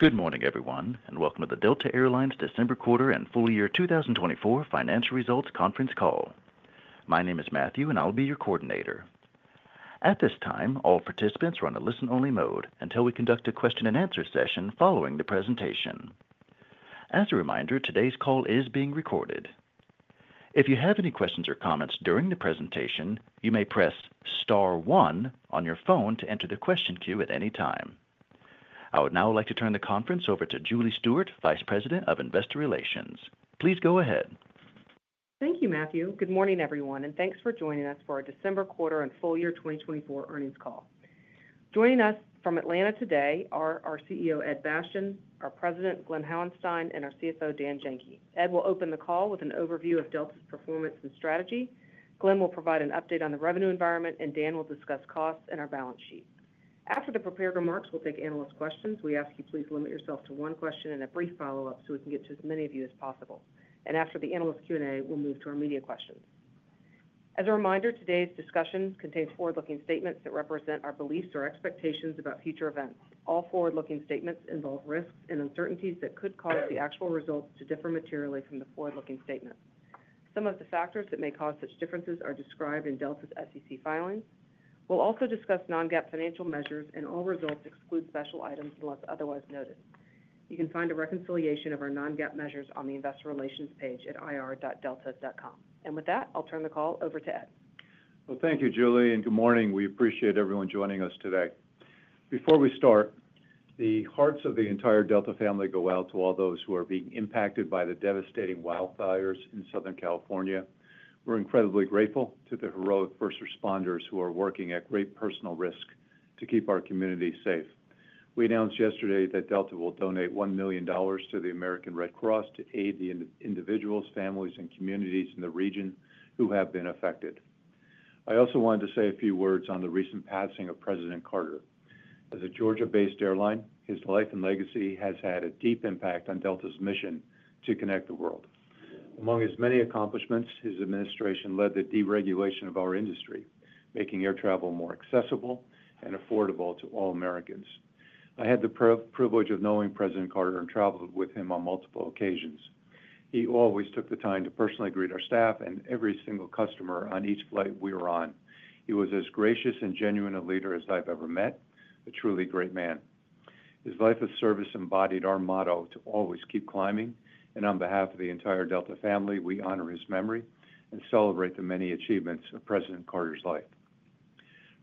Good morning, everyone, and welcome to the Delta Air Lines December quarter and full year 2024 financial results conference call. My name is Matthew, and I'll be your coordinator. At this time, all participants are on a listen-only mode until we conduct a question-and-answer session following the presentation. As a reminder, today's call is being recorded. If you have any questions or comments during the presentation, you may press star one on your phone to enter the question queue at any time. I would now like to turn the conference over to Julie Stewart, Vice President of Investor Relations. Please go ahead. Thank you, Matthew. Good morning, everyone, and thanks for joining us for our December quarter and full year 2024 earnings call. Joining us from Atlanta today are our CEO, Ed Bastian, our President, Glen Hauenstein, and our CFO, Dan Janki. Ed will open the call with an overview of Delta's performance and strategy. Glen will provide an update on the revenue environment, and Dan will discuss costs and our balance sheet. After the prepared remarks, we'll take analyst questions. We ask you please limit yourself to one question and a brief follow-up so we can get to as many of you as possible. And after the analyst Q&A, we'll move to our media questions. As a reminder, today's discussion contains forward-looking statements that represent our beliefs or expectations about future events. All forward-looking statements involve risks and uncertainties that could cause the actual results to differ materially from the forward-looking statements. Some of the factors that may cause such differences are described in Delta's SEC filings. We'll also discuss Non-GAAP financial measures, and all results exclude special items unless otherwise noted. You can find a reconciliation of our Non-GAAP measures on the Investor Relations page at ir.delta.com. And with that, I'll turn the call over to Ed. Thank you, Julie, and good morning. We appreciate everyone joining us today. Before we start, the hearts of the entire Delta family go out to all those who are being impacted by the devastating wildfires in Southern California. We're incredibly grateful to the heroic first responders who are working at great personal risk to keep our community safe. We announced yesterday that Delta will donate $1 million to the American Red Cross to aid the individuals, families, and communities in the region who have been affected. I also wanted to say a few words on the recent passing of President Carter. As a Georgia-based airline, his life and legacy have had a deep impact on Delta's mission to connect the world. Among his many accomplishments, his administration led the deregulation of our industry, making air travel more accessible and affordable to all Americans I had the privilege of knowing President Carter and traveled with him on multiple occasions. He always took the time to personally greet our staff and every single customer on each flight we were on. He was as gracious and genuine a leader as I've ever met, a truly great man. His life of service embodied our motto to always Keep Climbing, and on behalf of the entire Delta family, we honor his memory and celebrate the many achievements of President Carter's life.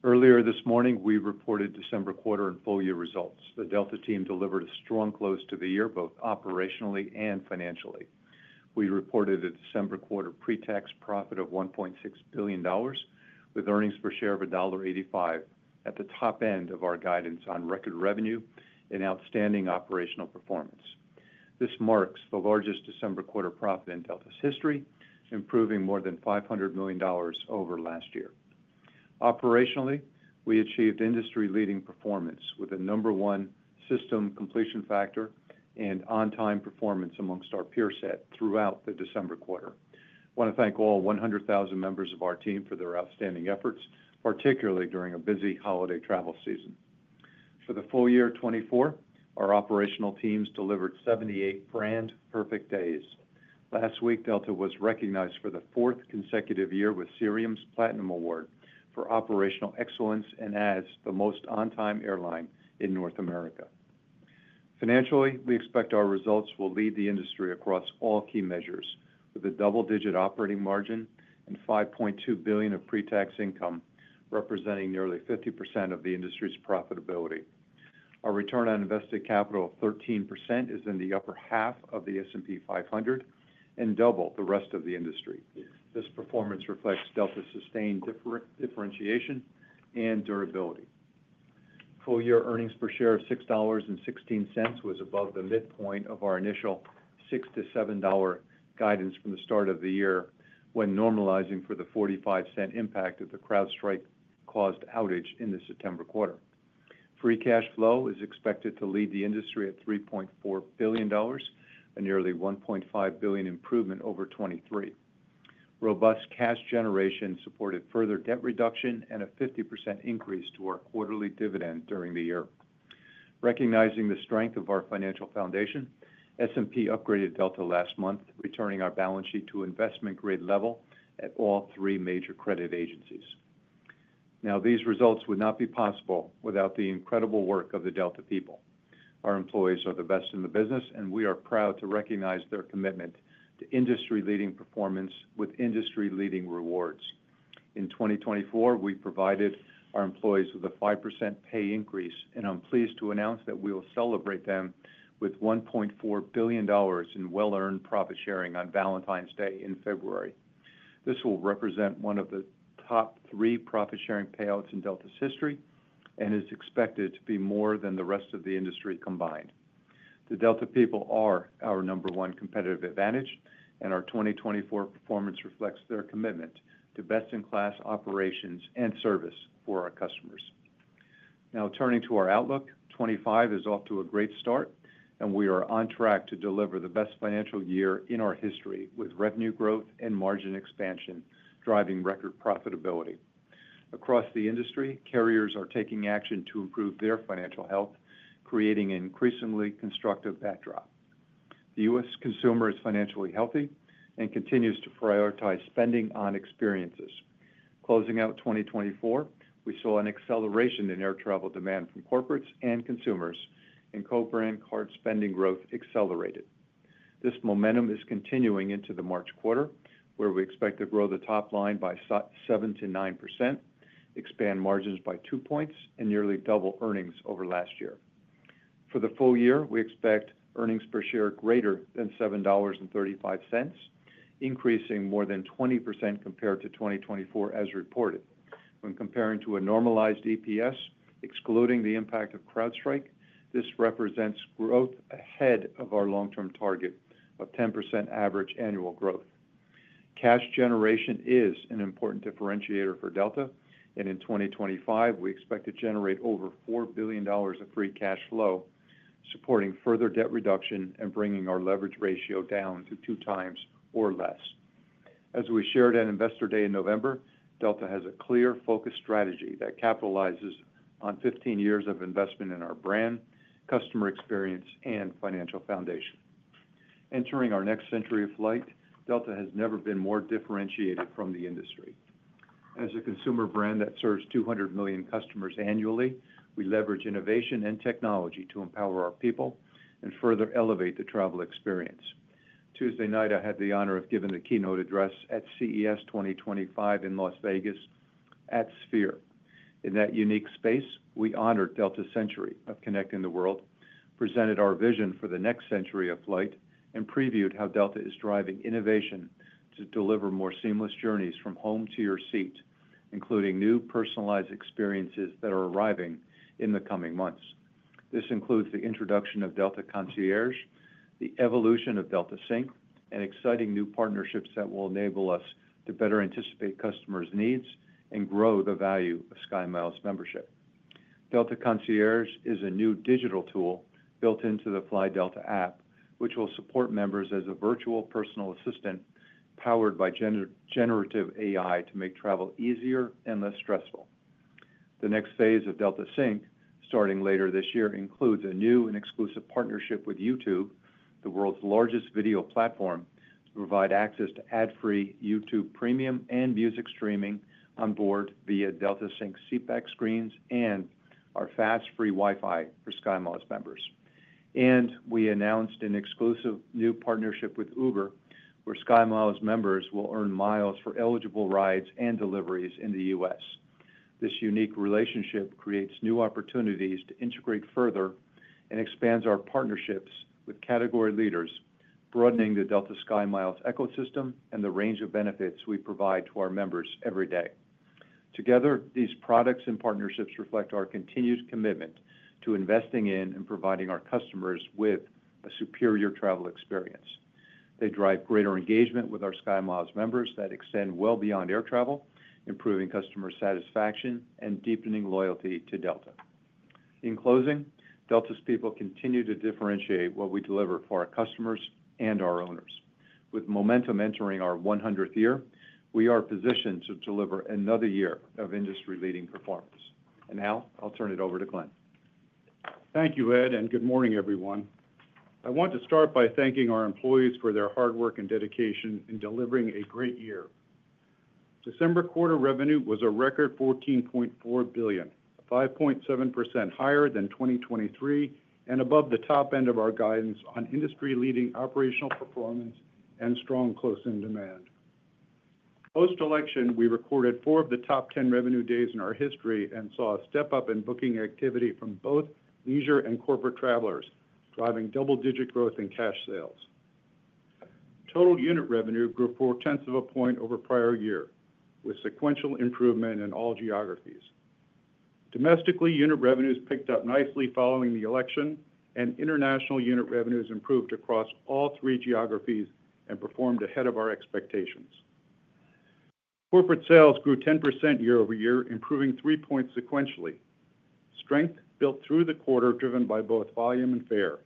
Earlier this morning, we reported December Quarter and Full Year results. The Delta team delivered a strong close to the year, both operationally and financially. We reported a December Quarter pre-tax profit of $1.6 billion, with earnings per share of $1.85, at the top end of our guidance on record revenue and outstanding operational performance. This marks the largest December Quarter profit in Delta's history, improving more than $500 million over last year. Operationally, we achieved industry-leading performance with a number one system completion factor and on-time performance amongst our peer set throughout the December Quarter. I want to thank all 100,000 members of our team for their outstanding efforts, particularly during a busy holiday travel season. For the full year 2024, our operational teams delivered 78 Brand Perfect Days. Last week, Delta was recognized for the fourth consecutive year with Cirium's Platinum Award for operational excellence and as the most on-time airline in North America. Financially, we expect our results will lead the industry across all key measures, with a double-digit operating margin and $5.2 billion of pre-tax income representing nearly 50% of the industry's profitability. Our return on invested capital of 13% is in the upper half of the S&P 500 and double the rest of the industry. This performance reflects Delta's sustained differentiation and durability. Full year earnings per share of $6.16 was above the midpoint of our initial $6-$7 guidance from the start of the year when normalizing for the $0.45 impact that the CrowdStrike-caused outage in the September Quarter. Free cash flow is expected to lead the industry at $3.4 billion, a nearly $1.5 billion improvement over 2023. Robust cash generation supported further debt reduction and a 50% increase to our quarterly dividend during the year. Recognizing the strength of our financial foundation, S&P upgraded Delta last month, returning our balance sheet to investment-grade level at all three major credit agencies. Now, these results would not be possible without the incredible work of the Delta people. Our employees are the best in the business, and we are proud to recognize their commitment to industry-leading performance with industry-leading rewards. In 2024, we provided our employees with a 5% pay increase, and I'm pleased to announce that we will celebrate them with $1.4 billion in well-earned profit sharing on Valentine's Day in February. This will represent one of the top three profit sharing payouts in Delta's history and is expected to be more than the rest of the industry combined. The Delta people are our number one competitive advantage, and our 2024 performance reflects their commitment to best-in-class operations and service for our customers. Now, turning to our outlook, 2025 is off to a great start, and we are on track to deliver the best financial year in our history with revenue growth and margin expansion driving record profitability. Across the industry, carriers are taking action to improve their financial health, creating an increasingly constructive backdrop. The U.S. consumer is financially healthy and continues to prioritize spending on experiences. Closing out 2024, we saw an acceleration in air travel demand from corporates and consumers, and co-brand card spending growth accelerated. This momentum is continuing into the March quarter, where we expect to grow the top line by 7%-9%, expand margins by two points, and nearly double earnings over last year. For the full year, we expect earnings per share greater than $7.35, increasing more than 20% compared to 2024 as reported. When comparing to a normalized EPS, excluding the impact of CrowdStrike, this represents growth ahead of our long-term target of 10% average annual growth. Cash generation is an important differentiator for Delta, and in 2025, we expect to generate over $4 billion of free cash flow, supporting further debt reduction and bringing our leverage ratio down to two times or less. As we shared at Investor Day in November, Delta has a clear focus strategy that capitalizes on 15 years of investment in our brand, customer experience, and financial foundation. Entering our next century of flight, Delta has never been more differentiated from the industry. As a consumer brand that serves 200 million customers annually, we leverage innovation and technology to empower our people and further elevate the travel experience. Tuesday night, I had the honor of giving the keynote address at CES 2025 in Las Vegas at Sphere. In that unique space, we honored Delta's century of connecting the world, presented our vision for the next century of flight, and previewed how Delta is driving innovation to deliver more seamless journeys from home to your seat, including new personalized experiences that are arriving in the coming months. This includes the introduction of Delta Concierge, the evolution of Delta Sync, and exciting new partnerships that will enable us to better anticipate customers' needs and grow the value of SkyMiles membership. Delta Concierge is a new digital tool built into the Fly Delta app, which will support members as a virtual personal assistant powered by generative AI to make travel easier and less stressful. The next phase of Delta Sync, starting later this year, includes a new and exclusive partnership with YouTube, the world's largest video platform, to provide access to ad-free YouTube Premium and music streaming on board via Delta Sync seatback screens and our fast free Wi-Fi for SkyMiles members, and we announced an exclusive new partnership with Uber, where SkyMiles members will earn miles for eligible rides and deliveries in the U.S. This unique relationship creates new opportunities to integrate further and expands our partnerships with category leaders, broadening the Delta SkyMiles ecosystem and the range of benefits we provide to our members every day. Together, these products and partnerships reflect our continued commitment to investing in and providing our customers with a superior travel experience. They drive greater engagement with our SkyMiles members that extend well beyond air travel, improving customer satisfaction and deepening loyalty to Delta. In closing, Delta's people continue to differentiate what we deliver for our customers and our owners. With momentum entering our 100th year, we are positioned to deliver another year of industry-leading performance. And now, I'll turn it over to Glen. Thank you, Ed, and good morning, everyone. I want to start by thanking our employees for their hard work and dedication in delivering a great year. December quarter revenue was a record $14.4 billion, 5.7% higher than 2023 and above the top end of our guidance on industry-leading operational performance and strong close in demand. Post-election, we recorded four of the top 10 revenue days in our history and saw a step-up in booking activity from both leisure and corporate travelers, driving double-digit growth in cash sales. Total unit revenue grew 0.4 of a point over prior year, with sequential improvement in all geographies. Domestically, unit revenues picked up nicely following the election, and international unit revenues improved across all three geographies and performed ahead of our expectations. Corporate sales grew 10% year-over-year, improving 3 points sequentially. Strength built through the quarter, driven by both volume and fare,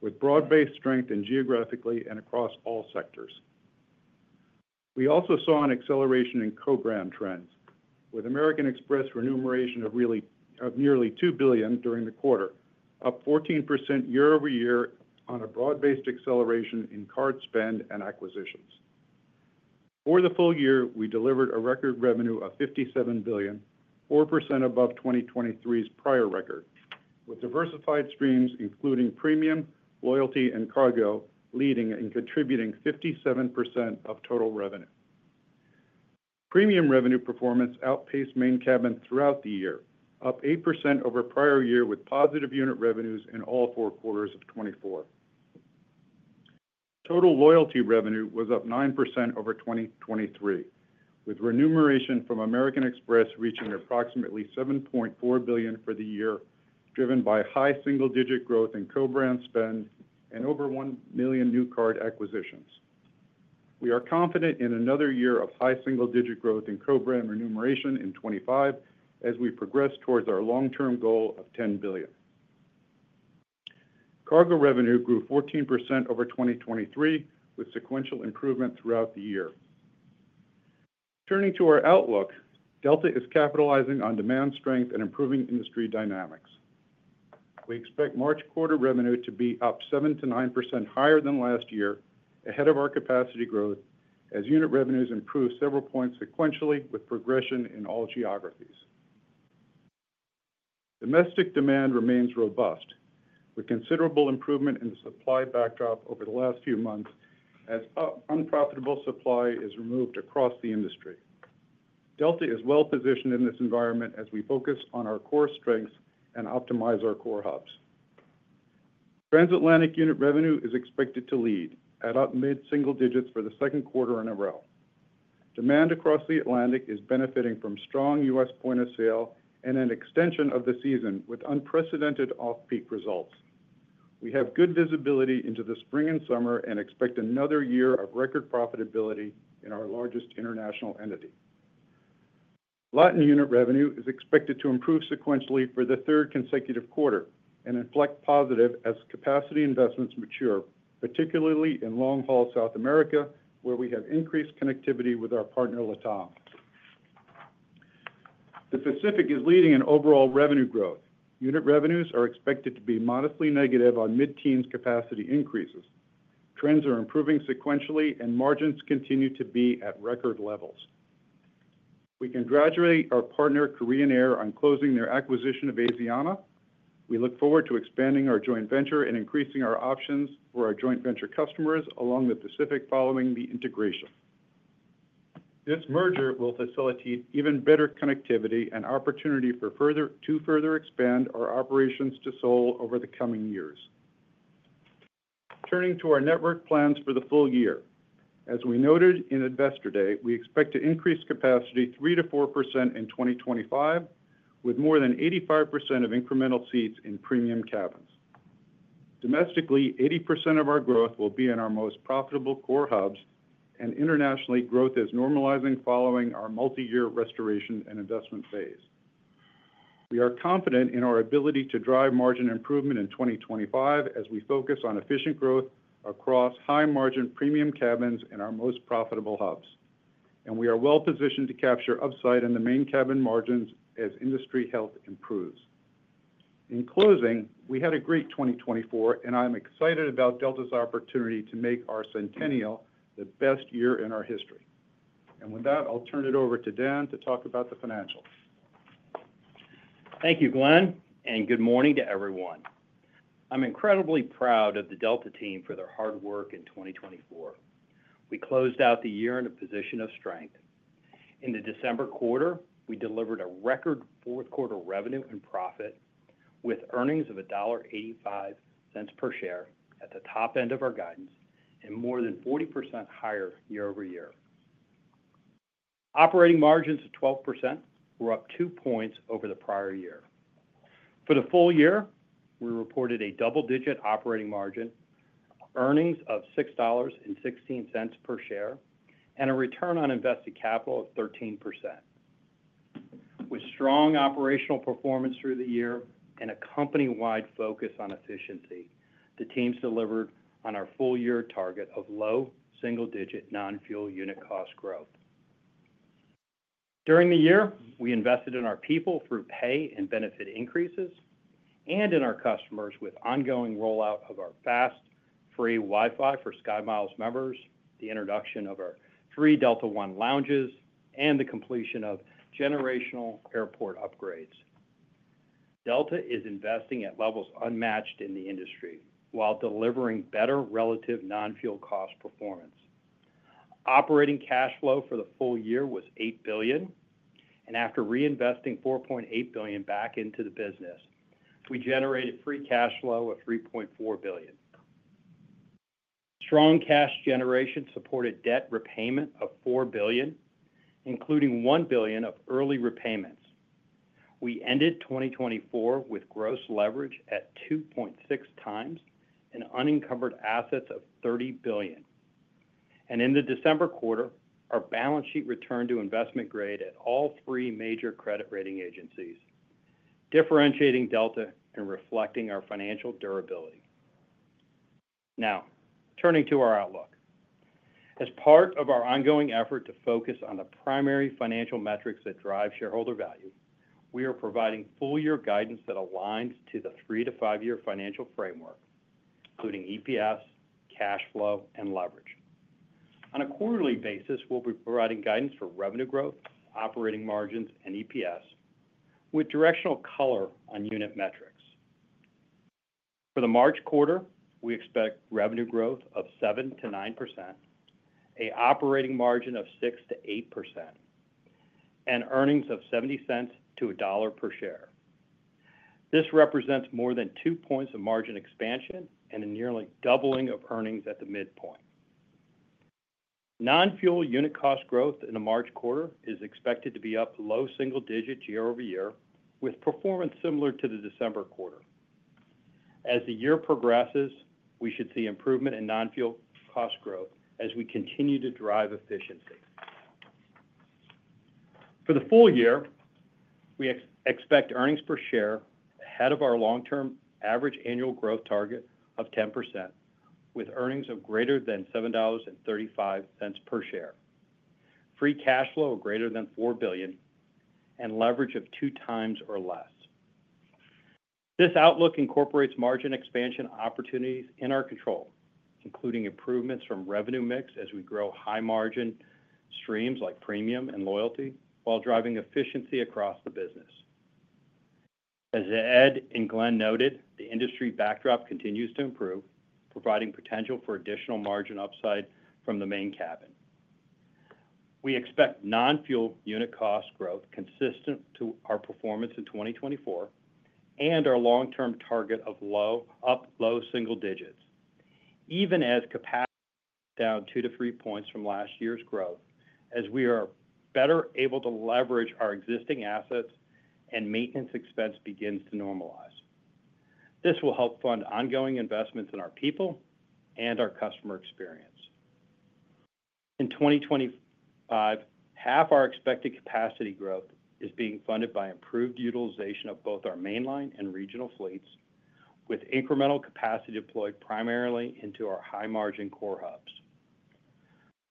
with broad-based strength in geography and across all sectors. We also saw an acceleration in co-brand trends, with American Express remuneration of nearly $2 billion during the quarter, up 14% year-over-year on a broad-based acceleration in card spend and acquisitions. For the full year, we delivered a record revenue of $57 billion, 4% above 2023's prior record, with diversified streams, including premium, loyalty, and cargo, leading and contributing 57% of total revenue. Premium revenue performance outpaced Main Cabin throughout the year, up 8% over prior year, with positive unit revenues in all four quarters of 2024. Total loyalty revenue was up 9% over 2023, with remuneration from American Express reaching approximately $7.4 billion for the year, driven by high single-digit growth in co-brand spend and over 1 million new card acquisitions. We are confident in another year of high single-digit growth in co-brand remuneration in 2025 as we progress towards our long-term goal of $10 billion. Cargo revenue grew 14% over 2023, with sequential improvement throughout the year. Turning to our outlook, Delta is capitalizing on demand strength and improving industry dynamics. We expect March Quarter revenue to be up 7%-9% higher than last year, ahead of our capacity growth, as unit revenues improve several points sequentially with progression in all geographies. Domestic demand remains robust, with considerable improvement in the supply backdrop over the last few months as unprofitable supply is removed across the industry. Delta is well positioned in this environment as we focus on our core strengths and optimize our core hubs. Transatlantic unit revenue is expected to lead at up mid-single digits for the second quarter in a row. Demand across the Atlantic is benefiting from strong U.S. point of sale and an extension of the season with unprecedented off-peak results. We have good visibility into the spring and summer and expect another year of record profitability in our largest international entity. Latin unit revenue is expected to improve sequentially for the third consecutive quarter and inflect positive as capacity investments mature, particularly in long-haul South America, where we have increased connectivity with our partner LATAM. The Pacific is leading in overall revenue growth. Unit revenues are expected to be modestly negative on mid-teens capacity increases. Trends are improving sequentially and margins continue to be at record levels. We congratulate our partner Korean Air on closing their acquisition of Asiana. We look forward to expanding our joint venture and increasing our options for our joint venture customers along the Pacific following the integration. This merger will facilitate even better connectivity and opportunity to further expand our operations to Seoul over the coming years. Turning to our network plans for the full year, as we noted in Investor Day, we expect to increase capacity 3%-4% in 2025, with more than 85% of incremental seats in Premium cabins. Domestically, 80% of our growth will be in our most profitable core hubs, and internationally, growth is normalizing following our multi-year restoration and investment phase. We are confident in our ability to drive margin improvement in 2025 as we focus on efficient growth across high-margin Premium cabins and our most profitable hubs, and we are well positioned to capture upside in the Main Cabin margins as industry health improves. In closing, we had a great 2024, and I'm excited about Delta's opportunity to make our centennial the best year in our history. With that, I'll turn it over to Dan to talk about the financials. Thank you, Glen, and good morning to everyone. I'm incredibly proud of the Delta team for their hard work in 2024. We closed out the year in a position of strength. In the December quarter, we delivered a record fourth-quarter revenue and profit with earnings of $1.85 per share at the top end of our guidance and more than 40% higher year -over-year. Operating margins of 12% were up 2 points over the prior year. For the full year, we reported a double-digit operating margin, earnings of $6.16 per share, and a return on invested capital of 13%. With strong operational performance through the year and a company-wide focus on efficiency, the teams delivered on our full-year target of low single-digit non-fuel unit cost growth. During the year, we invested in our people through pay and benefit increases and in our customers with ongoing rollout of our fast free Wi-Fi for SkyMiles members, the introduction of our free Delta One lounges, and the completion of generational airport upgrades. Delta is investing at levels unmatched in the industry while delivering better relative non-fuel cost performance. Operating cash flow for the full year was $8 billion, and after reinvesting $4.8 billion back into the business, we generated free cash flow of $3.4 billion. Strong cash generation supported debt repayment of $4 billion, including $1 billion of early repayments. We ended 2024 with gross leverage at 2.6 times and unencumbered assets of $30 billion, and in the December quarter, our balance sheet returned to investment grade at all three major credit rating agencies, differentiating Delta and reflecting our financial durability. Now, turning to our outlook. As part of our ongoing effort to focus on the primary financial metrics that drive shareholder value, we are providing full-year guidance that aligns to the three to five-year financial framework, including EPS, cash flow, and leverage. On a quarterly basis, we'll be providing guidance for revenue growth, operating margins, and EPS, with directional color on unit metrics. For the March quarter, we expect revenue growth of 7%-9%, an operating margin of 6%-8%, and earnings of $0.70-$1 per share. This represents more than 2 points of margin expansion and a nearly doubling of earnings at the midpoint. Non-fuel unit cost growth in the March quarter is expected to be up low single digits year-over-year, with performance similar to the December quarter. As the year progresses, we should see improvement in non-fuel cost growth as we continue to drive efficiency. For the full year, we expect earnings per share ahead of our long-term average annual growth target of 10%, with earnings of greater than $7.35 per share, free cash flow of greater than $4 billion, and leverage of 2 times or less. This outlook incorporates margin expansion opportunities in our control, including improvements from revenue mix as we grow high-margin streams like premium and loyalty while driving efficiency across the business. As Ed and Glen noted, the industry backdrop continues to improve, providing potential for additional margin upside from the Main Cabin. We expect non-fuel unit cost growth consistent to our performance in 2024 and our long-term target of up low single digits, even as capacity down 2 to 3 points from last year's growth as we are better able to leverage our existing assets and maintenance expense begins to normalize. This will help fund ongoing investments in our people and our customer experience. In 2025, half our expected capacity growth is being funded by improved utilization of both our mainline and regional fleets, with incremental capacity deployed primarily into our high-margin core hubs.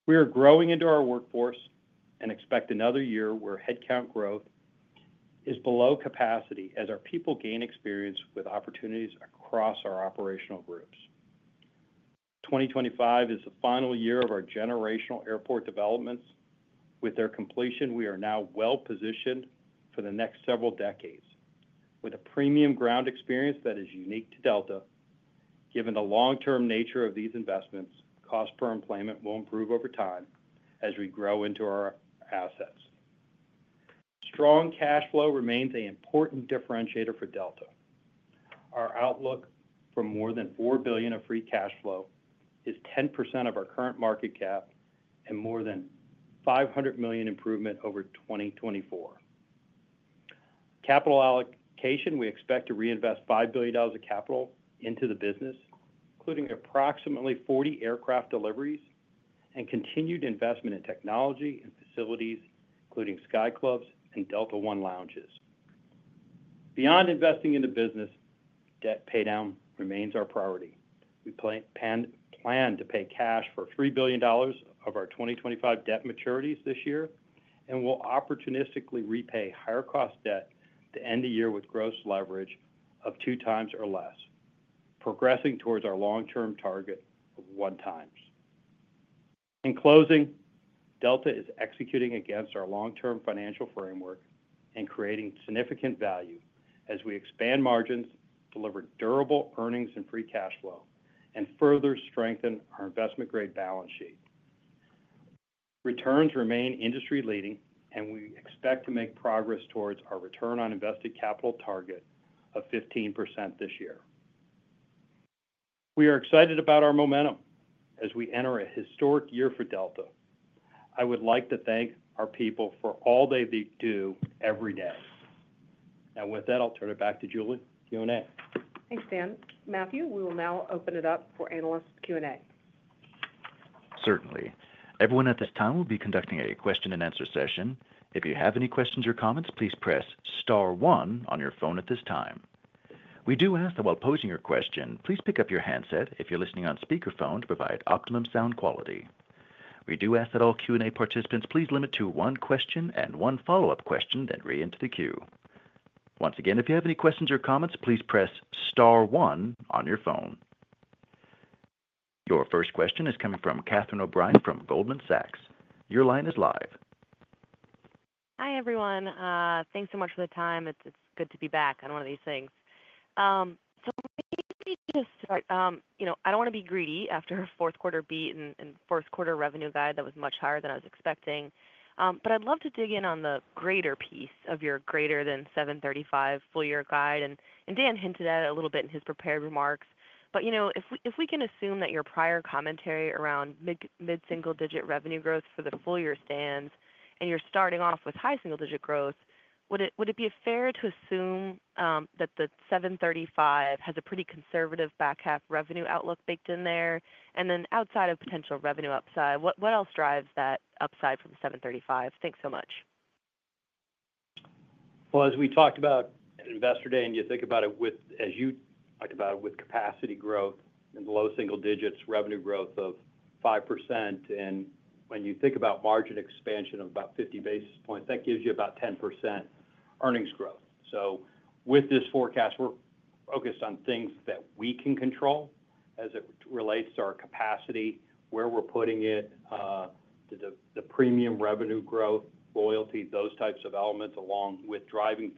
We are growing into our workforce and expect another year where headcount growth is below capacity as our people gain experience with opportunities across our operational groups. 2025 is the final year of our generational airport developments. With their completion, we are now well positioned for the next several decades. With a premium ground experience that is unique to Delta, given the long-term nature of these investments, cost per employee will improve over time as we grow into our assets. Strong cash flow remains an important differentiator for Delta. Our outlook for more than $4 billion of free cash flow is 10% of our current market cap and more than $500 million improvement over 2024. Capital allocation, we expect to reinvest $5 billion of capital into the business, including approximately 40 aircraft deliveries and continued investment in technology and facilities, including Sky Clubs and Delta One lounges. Beyond investing in the business, debt paydown remains our priority. We plan to pay cash for $3 billion of our 2025 debt maturities this year and will opportunistically repay higher cost debt to end the year with gross leverage of 2 times or less, progressing towards our long-term target of 1 times. In closing, Delta is executing against our long-term financial framework and creating significant value as we expand margins, deliver durable earnings and free cash flow, and further strengthen our investment-grade balance sheet. Returns remain industry-leading, and we expect to make progress towards our return on invested capital target of 15% this year. We are excited about our momentum as we enter a historic year for Delta. I would like to thank our people for all they do every day, and with that, I'll turn it back to Julie Q&A. Thanks, Dan. Matthew, we will now open it up for analysts Q&A. Certainly. Everyone at this time will be conducting a question-and-answer session. If you have any questions or comments, please press star one on your phone at this time. We do ask that while posing your question, please pick up your handset if you're listening on speakerphone to provide optimum sound quality. We do ask that all Q&A participants please limit to one question and one follow-up question that re-enter the queue. Once again, if you have any questions or comments, please press star one on your phone. Your first question is coming from Catherine O'Brien from Goldman Sachs. Your line is live. Hi, everyone. Thanks so much for the time. It's good to be back on one of these things. So maybe to start, I don't want to be greedy after a fourth-quarter beat and fourth-quarter revenue guide that was much higher than I was expecting. But I'd love to dig in on the greater piece of your greater than $735 full-year guide. And Dan hinted at it a little bit in his prepared remarks. But if we can assume that your prior commentary around mid-single-digit revenue growth for the full-year stands and you're starting off with high single-digit growth, would it be fair to assume that the $735 has a pretty conservative back half revenue outlook baked in there? And then outside of potential revenue upside, what else drives that upside from $735? Thanks so much. As we talked about at Investor Day, and you think about it with capacity growth and low single digits revenue growth of 5%. When you think about margin expansion of about 50 basis points, that gives you about 10% earnings growth. With this forecast, we're focused on things that we can control as it relates to our capacity, where we're putting it, the Premium revenue growth, loyalty, those types of elements along with driving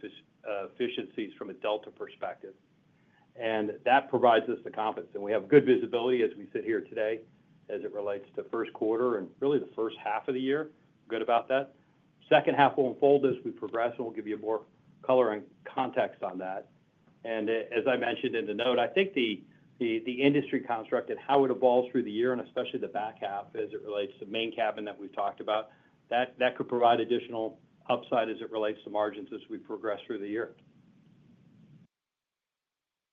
efficiencies from a Delta perspective. That provides us the confidence. We have good visibility as we sit here today as it relates to first quarter and really the first half of the year. We're good about that. Second half will unfold as we progress, and we'll give you more color and context on that. As I mentioned in the note, I think the industry construct and how it evolves through the year and especially the back half as it relates to Main Cabin that we've talked about, that could provide additional upside as it relates to margins as we progress through the year.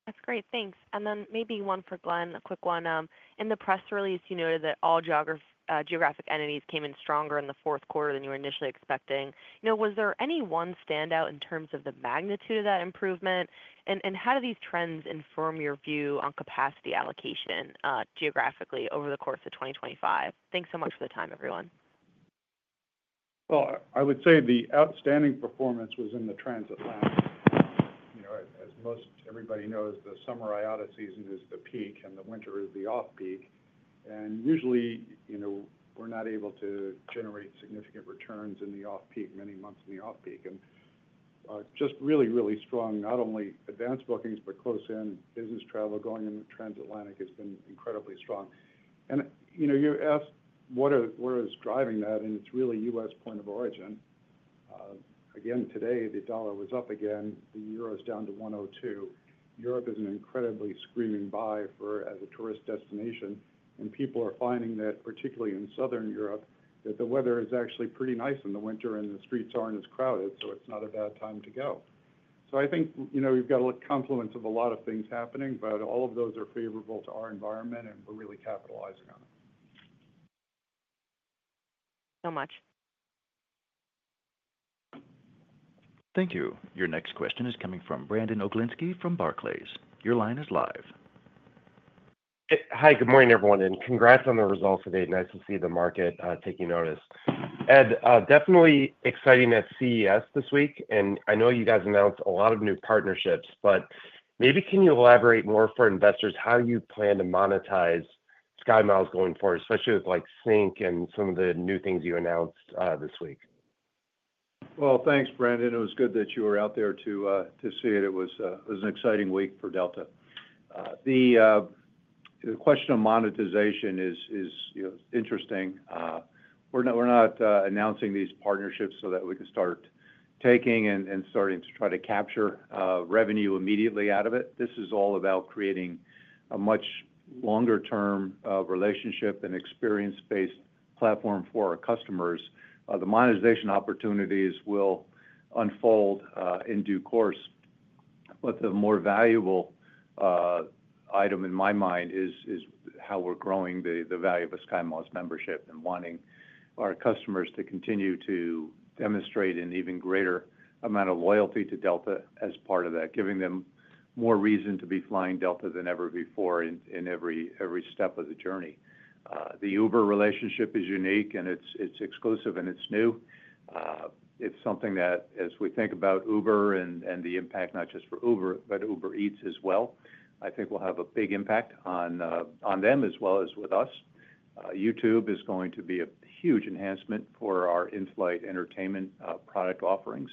That's great. Thanks. And then maybe one for Glen, a quick one. In the press release, you noted that all geographic entities came in stronger in the fourth quarter than you were initially expecting. Was there any one standout in terms of the magnitude of that improvement? And how do these trends inform your view on capacity allocation geographically over the course of 2025? Thanks so much for the time, everyone. I would say the outstanding performance was in the transatlantic. As most everybody knows, the summer IATA season is the peak and the winter is the off-peak. Usually, we're not able to generate significant returns in the off-peak, many months in the off-peak. Just really, really strong, not only advanced bookings, but close-in business travel going in the transatlantic has been incredibly strong. You asked what is driving that, and it's really U.S. point of origin. Again, today, the dollar was up again. The euro is down to 1.02. Europe is an incredibly screaming buy for a tourist destination. People are finding that, particularly in southern Europe, that the weather is actually pretty nice in the winter and the streets aren't as crowded, so it's not a bad time to go. So I think we've got a confluence of a lot of things happening, but all of those are favorable to our environment, and we're really capitalizing on it. So much. Thank you. Your next question is coming from Brandon Oglenski from Barclays. Your line is live. Hi, good morning, everyone. And congrats on the results today. Nice to see the market taking notice. Ed, definitely exciting at CES this week. And I know you guys announced a lot of new partnerships, but maybe can you elaborate more for investors how you plan to monetize SkyMiles going forward, especially with Sync and some of the new things you announced this week? Thanks, Brandon. It was good that you were out there to see it. It was an exciting week for Delta. The question of monetization is interesting. We're not announcing these partnerships so that we can start taking and starting to try to capture revenue immediately out of it. This is all about creating a much longer-term relationship and experience-based platform for our customers. The monetization opportunities will unfold in due course. But the more valuable item in my mind is how we're growing the value of a SkyMiles membership and wanting our customers to continue to demonstrate an even greater amount of loyalty to Delta as part of that, giving them more reason to be flying Delta than ever before in every step of the journey. The Uber relationship is unique, and it's exclusive, and it's new. It's something that, as we think about Uber and the impact not just for Uber, but Uber Eats as well, I think will have a big impact on them as well as with us. YouTube is going to be a huge enhancement for our in-flight entertainment product offerings.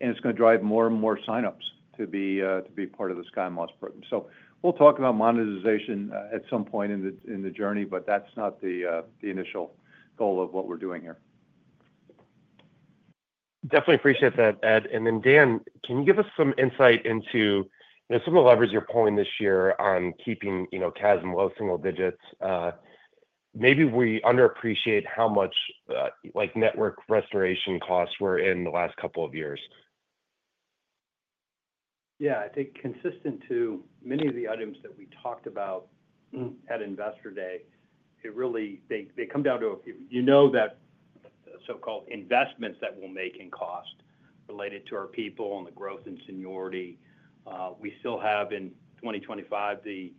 And it's going to drive more and more sign-ups to be part of the SkyMiles program. So we'll talk about monetization at some point in the journey, but that's not the initial goal of what we're doing here. Definitely appreciate that, Ed. And then, Dan, can you give us some insight into some of the levers you're pulling this year on keeping CASM low single digits? Maybe we underappreciate how much network restoration costs were in the last couple of years. Yeah. I think consistent to many of the items that we talked about at Investor Day, it really comes down to you know that so-called investments that we'll make in cost related to our people and the growth and seniority. We still have in 2025 the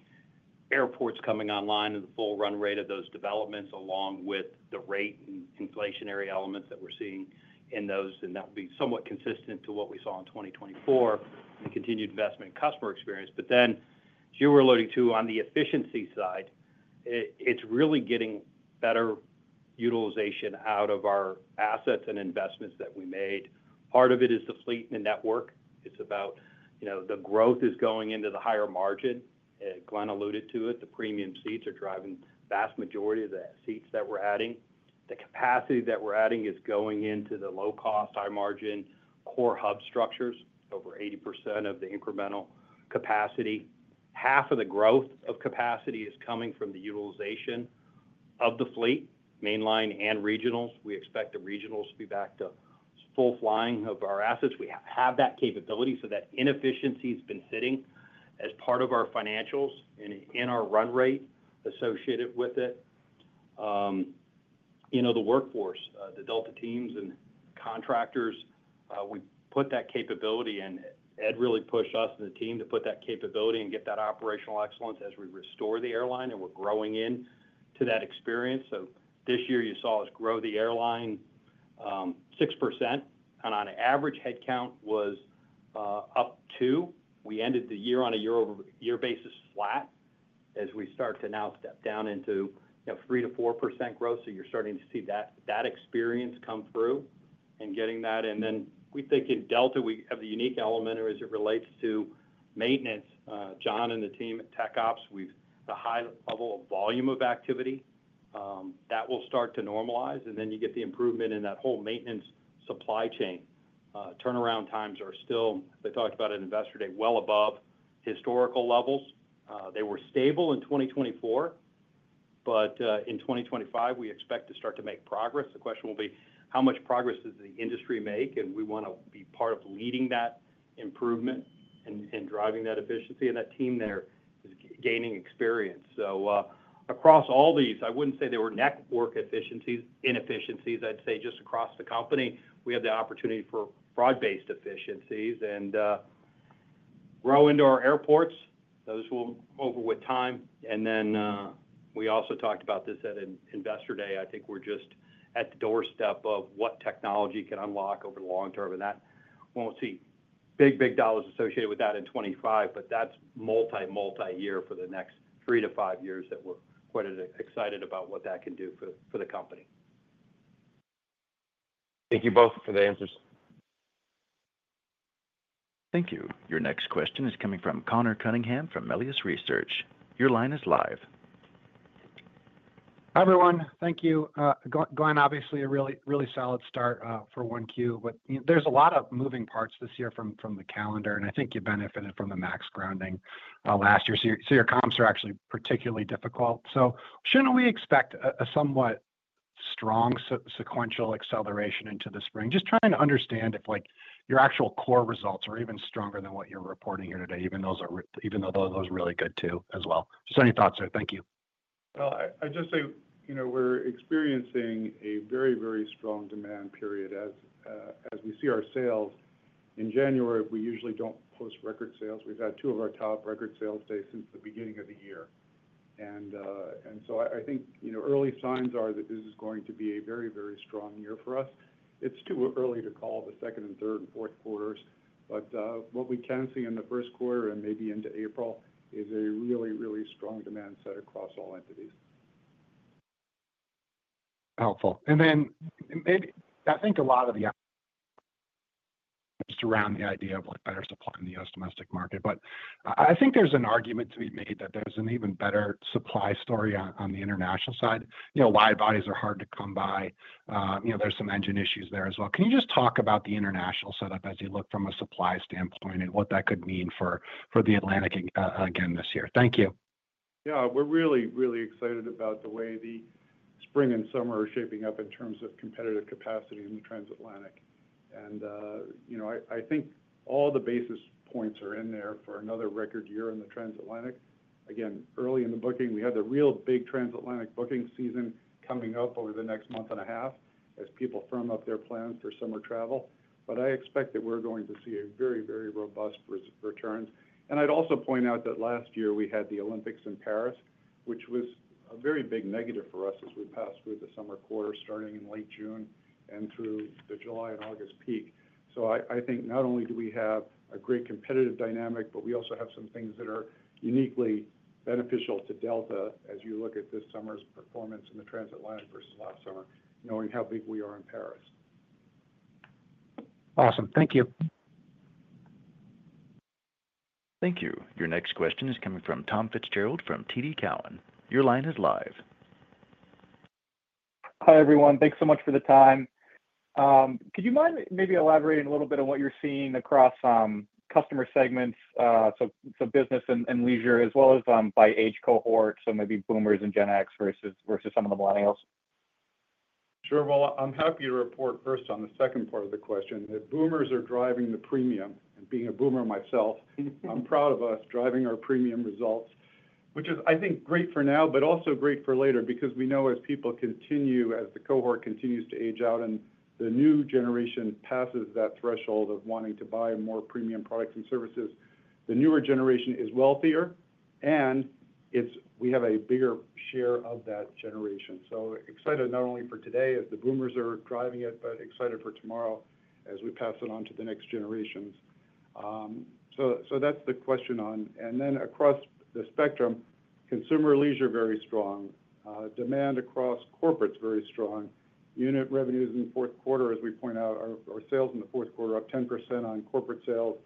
airports coming online and the full run rate of those developments along with the rate and inflationary elements that we're seeing in those. And that will be somewhat consistent to what we saw in 2024 and the continued investment and customer experience. But then, as you were alluding to on the efficiency side, it's really getting better utilization out of our assets and investments that we made. Part of it is the fleet and the network. It's about the growth is going into the higher margin. Glen alluded to it. The Premium seats are driving the vast majority of the seats that we're adding. The capacity that we're adding is going into the low-cost, high-margin core hub structures, over 80% of the incremental capacity. Half of the growth of capacity is coming from the utilization of the fleet, mainline and regionals. We expect the regionals to be back to full flying of our assets. We have that capability. So that inefficiency has been sitting as part of our financials and in our run rate associated with it. The workforce, the Delta teams and contractors, we put that capability in. Ed really pushed us and the team to put that capability and get that operational excellence as we restore the airline. And we're growing into that experience. So this year, you saw us grow the airline 6%. And on average, headcount was up 2. We ended the year on a year-over-year basis flat as we start to now step down into 3%-4% growth. So you're starting to see that experience come through and getting that. And then we think in Delta, we have the unique element as it relates to maintenance. John and the team at TechOps, we've had a high level of volume of activity. That will start to normalize. And then you get the improvement in that whole maintenance supply chain. Turnaround times are still, as I talked about at Investor Day, well above historical levels. They were stable in 2024, but in 2025, we expect to start to make progress. The question will be, how much progress does the industry make? And we want to be part of leading that improvement and driving that efficiency. And that team there is gaining experience. So across all these, I wouldn't say they were network efficiencies, inefficiencies. I'd say just across the company, we have the opportunity for broad-based efficiencies and grow into our airports. Those will move over with time, and then we also talked about this at Investor Day. I think we're just at the doorstep of what technology can unlock over the long term, and that won't see big, big dollars associated with that in 2025, but that's multi, multi-year for the next three to five years that we're quite excited about what that can do for the company. Thank you both for the answers. Thank you. Your next question is coming from Conor Cunningham from Melius Research. Your line is live. Hi, everyone. Thank you. Glen, obviously, a really solid start for Q1. But there's a lot of moving parts this year from the calendar. And I think you benefited from the MAX grounding last year. So your comps are actually particularly difficult. So shouldn't we expect a somewhat strong sequential acceleration into the spring? Just trying to understand if your actual core results are even stronger than what you're reporting here today, even though those are really good too as well. Just any thoughts there. Thank you. I'd just say we're experiencing a very, very strong demand period. As we see our sales in January, we usually don't post record sales. We've had two of our top record sales days since the beginning of the year. And so I think early signs are that this is going to be a very, very strong year for us. It's too early to call the second and third and fourth quarters. But what we can see in the first quarter and maybe into April is a really, really strong demand set across all entities. Helpful. And then I think a lot of the just around the idea of better supply in the U.S. domestic market. But I think there's an argument to be made that there's an even better supply story on the international side. Live bodies are hard to come by. There's some engine issues there as well. Can you just talk about the international setup as you look from a supply standpoint and what that could mean for the Atlantic again this year? Thank you. Yeah. We're really, really excited about the way the spring and summer are shaping up in terms of competitive capacity in the transatlantic. And I think all the basis points are in there for another record year in the transatlantic. Again, early in the booking, we have the real big transatlantic booking season coming up over the next month and a half as people firm up their plans for summer travel. But I expect that we're going to see very, very robust returns. And I'd also point out that last year we had the Olympics in Paris, which was a very big negative for us as we passed through the summer quarter starting in late June and through the July and August peak. So I think not only do we have a great competitive dynamic, but we also have some things that are uniquely beneficial to Delta as you look at this summer's performance in the transatlantic versus last summer, knowing how big we are in Paris. Awesome. Thank you. Thank you. Your next question is coming from Tom Fitzgerald from TD Cowen. Your line is live. Hi, everyone. Thanks so much for the time. Could you mind maybe elaborating a little bit on what you're seeing across customer segments, so business and leisure, as well as by age cohort, so maybe boomers and Gen X versus some of the millennials? Sure. Well, I'm happy to report first on the second part of the question. The boomers are driving the premium and, being a boomer myself, I'm proud of us driving our premium results, which is, I think, great for now, but also great for later because we know as people continue, as the cohort continues to age out and the new generation passes that threshold of wanting to buy more premium products and services, the newer generation is wealthier, and we have a bigger share of that generation, so excited not only for today as the boomers are driving it, but excited for tomorrow as we pass it on to the next generations, so that's the question on and then across the spectrum, consumer leisure is very strong. Demand across corporate is very strong. Unit revenues in the fourth quarter, as we point out, our sales in the fourth quarter are up 10% on corporate sales.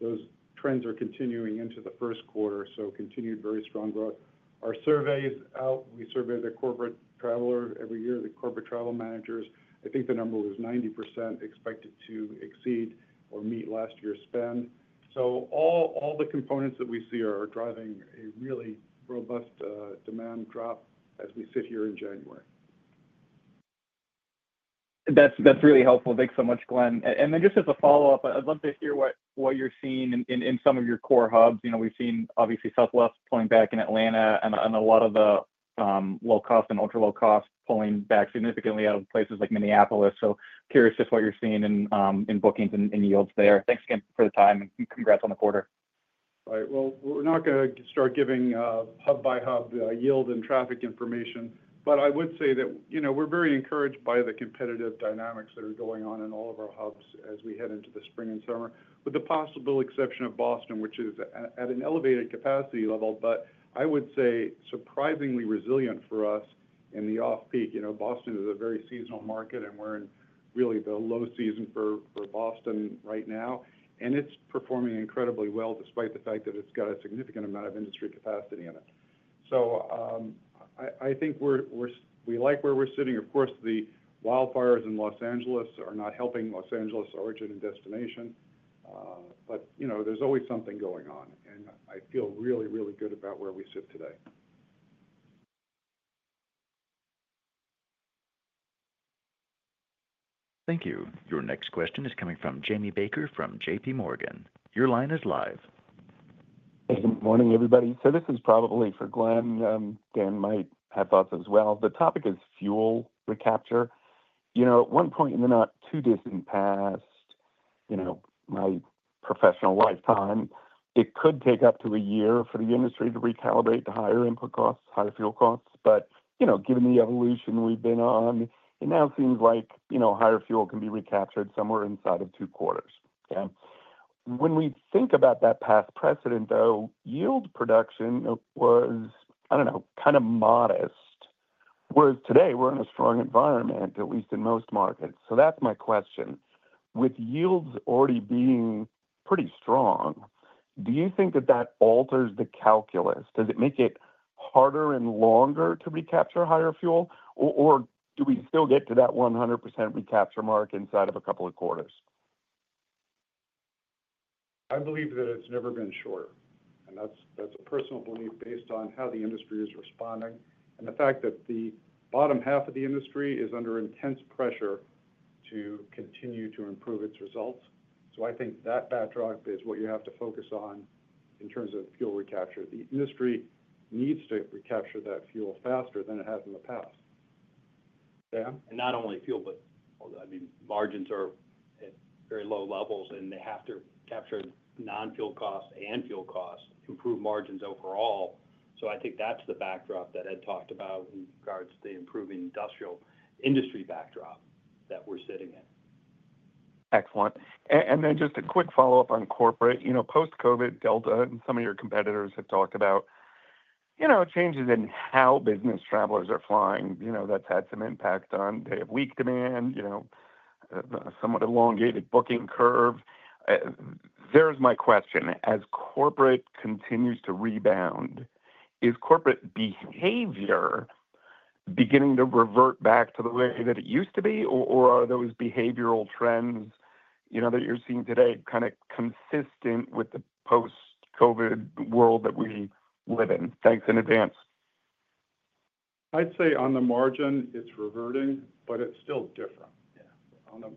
Those trends are continuing into the first quarter, so continued very strong growth. Our surveys out, we survey the corporate traveler every year, the corporate travel managers. I think the number was 90% expected to exceed or meet last year's spend. So all the components that we see are driving a really robust demand backdrop as we sit here in January. That's really helpful. Thanks so much, Glen. And then just as a follow-up, I'd love to hear what you're seeing in some of your core hubs. We've seen, obviously, Southwest pulling back in Atlanta and a lot of the low-cost and ultra-low-cost pulling back significantly out of places like Minneapolis. So curious just what you're seeing in bookings and yields there? Thanks again for the time, and congrats on the quarter. All right, well, we're not going to start giving hub-by-hub yield and traffic information, but I would say that we're very encouraged by the competitive dynamics that are going on in all of our hubs as we head into the spring and summer, with the possible exception of Boston, which is at an elevated capacity level, but I would say surprisingly resilient for us in the off-peak. Boston is a very seasonal market, and we're in really the low season for Boston right now, and it's performing incredibly well despite the fact that it's got a significant amount of industry capacity in it, so I think we like where we're sitting. Of course, the wildfires in Los Angeles are not helping Los Angeles origin and destination, but there's always something going on, and I feel really, really good about where we sit today. Thank you. Your next question is coming from Jamie Baker from JPMorgan. Your line is live. Thanks for the morning, everybody. So this is probably for Glen. Dan might have thoughts as well. The topic is fuel recapture. At one point in the not-too-distant past, my professional lifetime, it could take up to a year for the industry to recalibrate to higher input costs, higher fuel costs. But given the evolution we've been on, it now seems like higher fuel can be recaptured somewhere inside of two quarters. When we think about that past precedent, though, yield production was, I don't know, kind of modest, whereas today we're in a strong environment, at least in most markets. So that's my question. With yields already being pretty strong, do you think that that alters the calculus? Does it make it harder and longer to recapture higher fuel, or do we still get to that 100% recapture mark inside of a couple of quarters? I believe that it's never been shorter, and that's a personal belief based on how the industry is responding and the fact that the bottom half of the industry is under intense pressure to continue to improve its results, so I think that backdrop is what you have to focus on in terms of fuel recapture. The industry needs to recapture that fuel faster than it has in the past. And not only fuel, but I mean, margins are at very low levels, and they have to capture non-fuel costs and fuel costs, improve margins overall. So I think that's the backdrop that Ed talked about in regards to the improving industrial backdrop that we're sitting in. Excellent. And then just a quick follow-up on corporate. Post-COVID, Delta and some of your competitors have talked about changes in how business travelers are flying. That's had some impact on day-of-week demand, somewhat elongated booking curve. There's my question. As corporate continues to rebound, is corporate behavior beginning to revert back to the way that it used to be, or are those behavioral trends that you're seeing today kind of consistent with the post-COVID world that we live in? Thanks in advance. I'd say on the margin, it's reverting, but it's still different.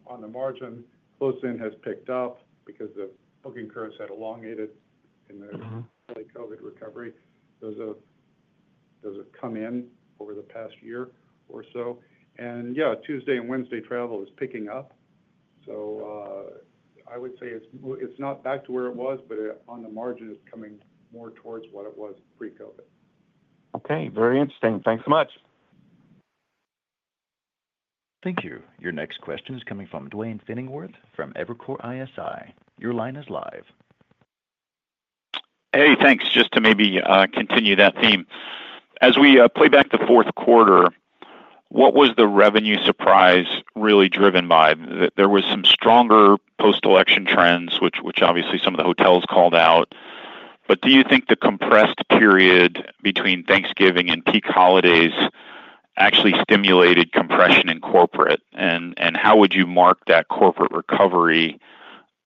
On the margin, closing has picked up because the booking curve has had elongation in the COVID recovery. Those have come in over the past year or so, and yeah, Tuesday and Wednesday travel is picking up, so I would say it's not back to where it was, but on the margin, it's coming more towards what it was pre-COVID. Okay. Very interesting. Thanks so much. Thank you. Your next question is coming from Duane Pfennigwerth from Evercore ISI. Your line is live. Hey, thanks. Just to maybe continue that theme. As we play back the fourth quarter, what was the revenue surprise really driven by? There were some stronger post-election trends, which obviously some of the hotels called out. But do you think the compressed period between Thanksgiving and peak holidays actually stimulated compression in corporate? And how would you mark that corporate recovery,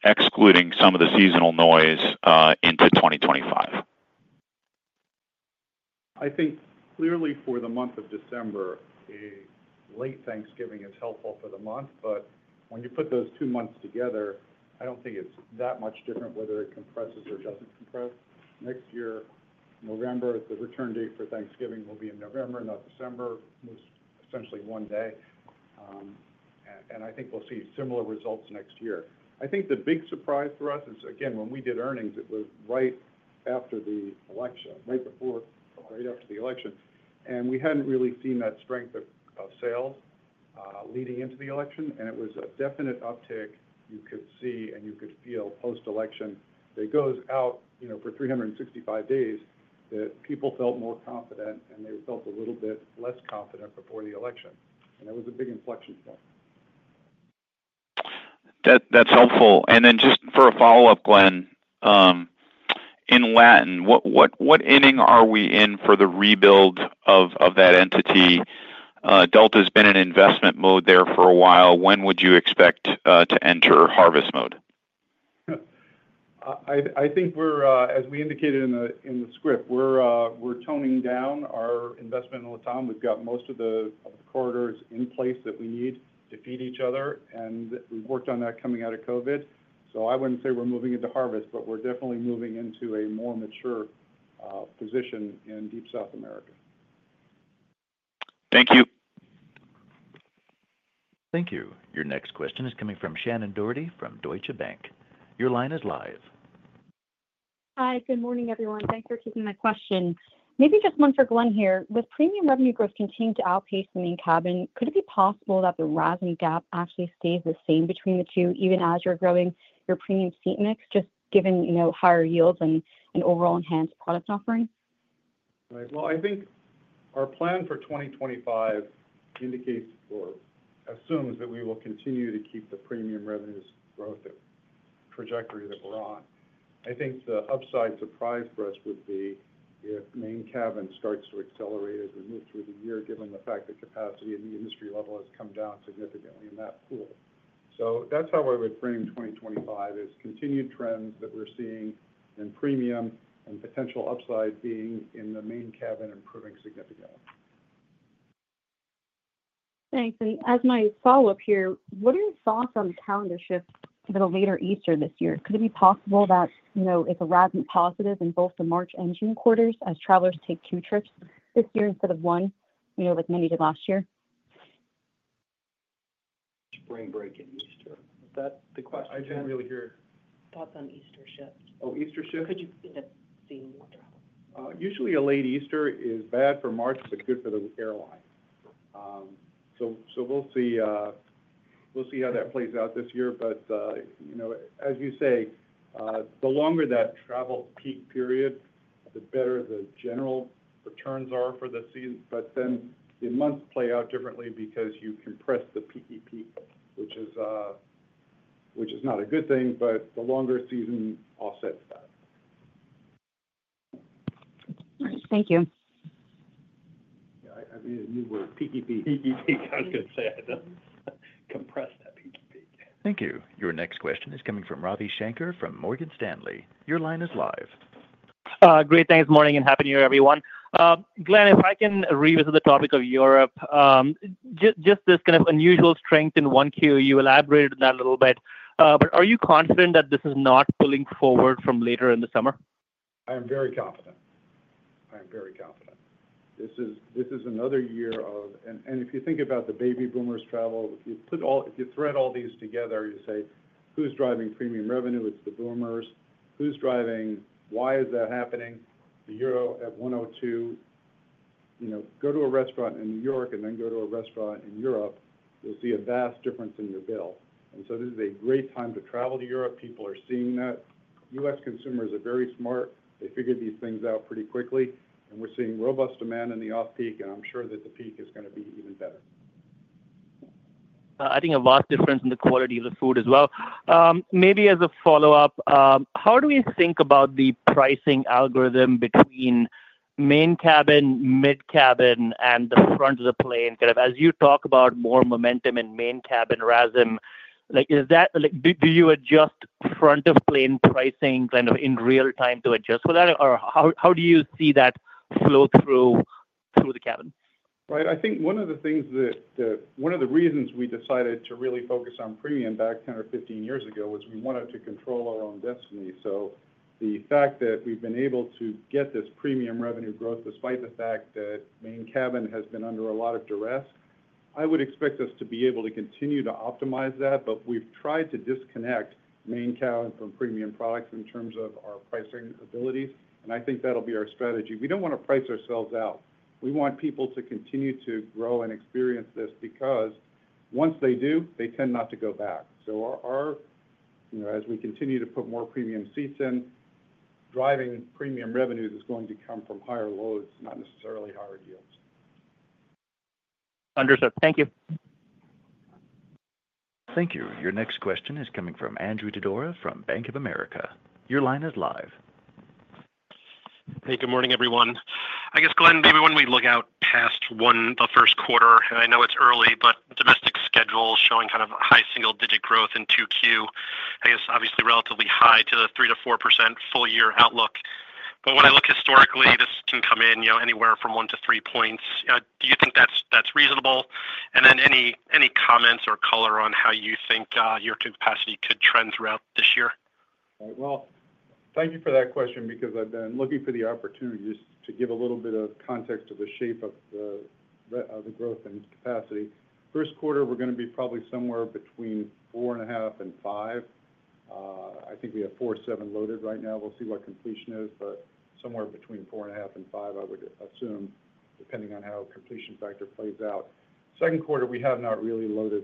excluding some of the seasonal noise, into 2025? I think clearly for the month of December, a late Thanksgiving is helpful for the month. But when you put those two months together, I don't think it's that much different whether it compresses or doesn't compress. Next year, November, the return date for Thanksgiving will be in November, not December, essentially one day. And I think we'll see similar results next year. I think the big surprise for us is, again, when we did earnings, it was right after the election, right after the election. And we hadn't really seen that strength of sales leading into the election. And it was a definite uptick you could see and you could feel post-election. It goes out for 365 days that people felt more confident, and they felt a little bit less confident before the election. And that was a big inflection point. That's helpful. And then just for a follow-up, Glen, in Latin America, what inning are we in for the rebuild of that entity? Delta has been in investment mode there for a while. When would you expect to enter harvest mode? I think, as we indicated in the script, we're toning down our investment on LATAM. We've got most of the corridors in place that we need to feed each other. And we've worked on that coming out of COVID. So I wouldn't say we're moving into harvest, but we're definitely moving into a more mature position in deep South America. Thank you. Thank you. Your next question is coming from Shannon Doherty from Deutsche Bank. Your line is live. Hi. Good morning, everyone. Thanks for taking my question. Maybe just one for Glen here. With premium revenue growth continuing to outpace the Main Cabin, could it be possible that the rise in gap actually stays the same between the two, even as you're growing your premium seat mix, just given higher yields and overall enhanced product offering? Right. Well, I think our plan for 2025 indicates or assumes that we will continue to keep the premium revenues growth trajectory that we're on. I think the upside surprise for us would be if Main Cabin starts to accelerate as we move through the year, given the fact that capacity in the industry level has come down significantly in that pool. So that's how I would frame 2025, is continued trends that we're seeing in premium and potential upside being in the Main Cabin improving significantly. Thanks. And as my follow-up here, what are your thoughts on the calendar shift to the later Easter this year? Could it be possible that it's a rise in positive in both the March and June quarters as travelers take two trips this year instead of one, like many did last year? Spring break and Easter. Is that the question? I can't really hear. Thoughts on Easter shift? Oh, Easter shift? Could you see more travel? Usually, a late Easter is bad for March, but good for the airline. So we'll see how that plays out this year. But as you say, the longer that travel peak period, the better the general returns are for the season. But then the months play out differently because you compress the peaky peak, which is not a good thing, but the longer season offsets that. All right. Thank you. Yeah. I mean, you were peaky peak. Peaky peak. I was going to say I don't compress that peaky peak. Thank you. Your next question is coming from Ravi Shankar from Morgan Stanley. Your line is live. Great. Good morning and happy New Year, everyone. Glen, if I can revisit the topic of Europe, just this kind of unusual strength in 1Q, you elaborated on that a little bit. But are you confident that this is not pulling forward from later in the summer? I am very confident. I am very confident. This is another year of, and if you think about the baby boomers' travel, if you thread all these together, you say, "Who's driving premium revenue? It's the boomers. Who's driving? Why is that happening?" The Euro at 102. Go to a restaurant in New York and then go to a restaurant in Europe, you'll see a vast difference in your bill. And so this is a great time to travel to Europe. People are seeing that. U.S. consumers are very smart. They figured these things out pretty quickly. And we're seeing robust demand in the off-peak, and I'm sure that the peak is going to be even better. I think a vast difference in the quality of the food as well. Maybe as a follow-up, how do we think about the pricing algorithm between Main Cabin, mid cabin, and the front of the plane? Kind of as you talk about more momentum in Main Cabin RASM, do you adjust front-of-plane pricing kind of in real time to adjust for that? Or how do you see that flow through the cabin? Right. I think one of the reasons we decided to really focus on premium back 10 or 15 years ago was we wanted to control our own destiny. So the fact that we've been able to get this premium revenue growth despite the fact that Main Cabin has been under a lot of duress, I would expect us to be able to continue to optimize that. But we've tried to disconnect Main Cabin from premium products in terms of our pricing abilities. And I think that'll be our strategy. We don't want to price ourselves out. We want people to continue to grow and experience this because once they do, they tend not to go back. So as we continue to put more premium seats in, driving premium revenues is going to come from higher loads, not necessarily higher yields. Understood. Thank you. Thank you. Your next question is coming from Andrew Didora from Bank of America. Your line is live. Hey, good morning, everyone. I guess, Glen, maybe when we look out past the first quarter, and I know it's early, but domestic schedule is showing kind of high single-digit growth in Q2. I guess, obviously, relatively high to the 3%-4% full-year outlook. But when I look historically, this can come in anywhere from 1-3 points. Do you think that's reasonable? And then any comments or color on how you think your capacity could trend throughout this year? Thank you for that question because I've been looking for the opportunities to give a little bit of context of the shape of the growth and capacity. First quarter, we're going to be probably somewhere between 4.5% and 5%. I think we have 4.7% loaded right now. We'll see what completion is, but somewhere between 4.5% and 5%, I would assume, depending on how completion factor plays out. Second quarter, we have not really loaded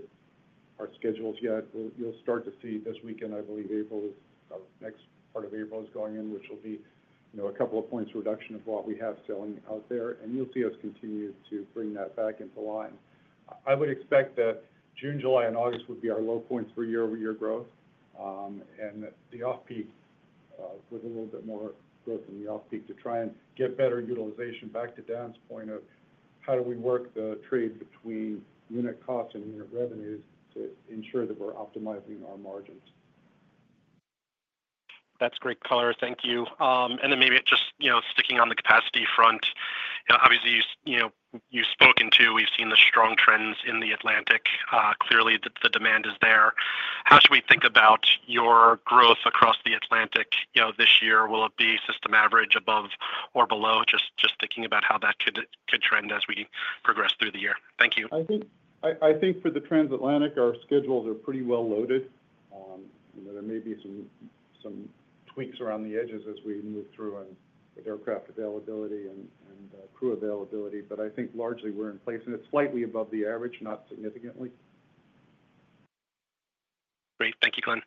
our schedules yet. You'll start to see this weekend, I believe next part of April is going in, which will be a couple of points reduction of what we have selling out there. You'll see us continue to bring that back into line. I would expect that June, July, and August would be our low points for year-over-year growth. And the off-peak with a little bit more growth in the off-peak to try and get better utilization back to Dan's point of how do we work the trade between unit costs and unit revenues to ensure that we're optimizing our margins. That's great color. Thank you. And then maybe just sticking on the capacity front, obviously, you've spoken to we've seen the strong trends in the Atlantic. Clearly, the demand is there. How should we think about your growth across the Atlantic this year? Will it be system average above or below? Just thinking about how that could trend as we progress through the year. Thank you. I think for the Transatlantic, our schedules are pretty well loaded. There may be some tweaks around the edges as we move through with aircraft availability and crew availability. But I think largely we're in place, and it's slightly above the average, not significantly. Great. Thank you, Glen.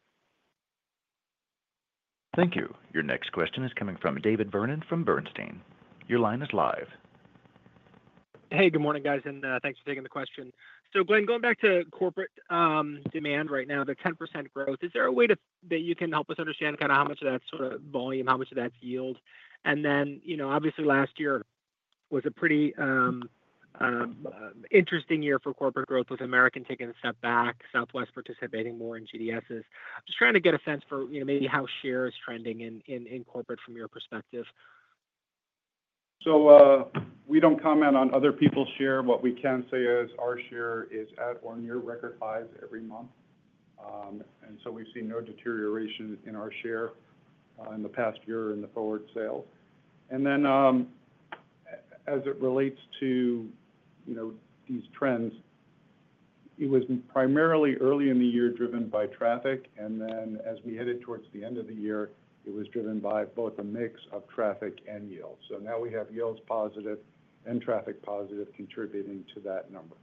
Thank you. Your next question is coming from David Vernon from Bernstein. Your line is live. Hey, good morning, guys. Thanks for taking the question. Glen, going back to corporate demand right now, the 10% growth, is there a way that you can help us understand kind of how much of that's sort of volume, how much of that's yield? Obviously, last year was a pretty interesting year for corporate growth with American taking a step back, Southwest participating more in GDSs. Just trying to get a sense for maybe how share is trending in corporate from your perspective. So we don't comment on other people's share. What we can say is our share is at or near record highs every month. And so we've seen no deterioration in our share in the past year in the forward sales. And then as it relates to these trends, it was primarily early in the year driven by traffic. And then as we headed towards the end of the year, it was driven by both a mix of traffic and yield. So now we have yields positive and traffic positive contributing to that number.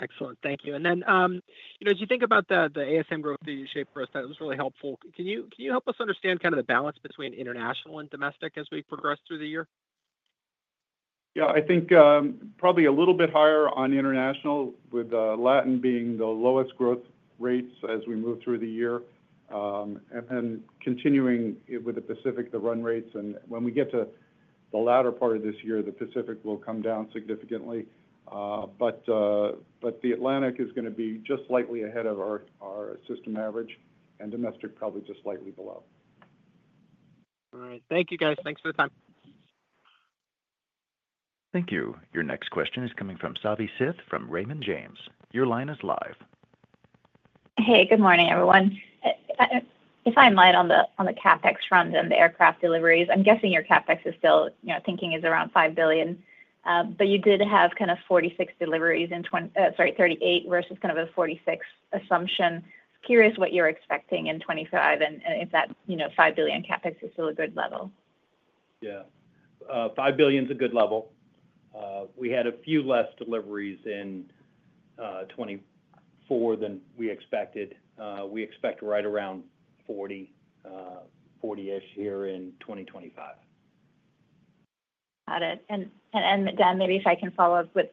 Excellent. Thank you, and then as you think about the ASM growth that you shaped for us, that was really helpful. Can you help us understand kind of the balance between international and domestic as we progress through the year? Yeah. I think probably a little bit higher on international, with Latin being the lowest growth rates as we move through the year. And then continuing with the Pacific, the run rates. And when we get to the latter part of this year, the Pacific will come down significantly. But the Atlantic is going to be just slightly ahead of our system average, and domestic probably just slightly below. All right. Thank you, guys. Thanks for the time. Thank you. Your next question is coming from Savi Syth from Raymond James. Your line is live. Hey, good morning, everyone. If I'm right on the CapEx front and the aircraft deliveries, I'm guessing your CapEx is still. I'm thinking it's around $5 billion. But you did have kind of 46 deliveries in, sorry, 38 versus kind of a 46 assumption. Curious what you're expecting in 2025 and if that $5 billion CapEx is still a good level. Yeah. $5 billion's a good level. We had a few less deliveries in 2024 than we expected. We expect right around 40-ish here in 2025. Got it. And Dan, maybe if I can follow up with,